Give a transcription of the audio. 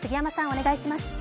お願いします。